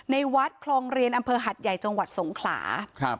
ในวัดคลองเรียนอำเภอหัดใหญ่จังหวัดสงขลา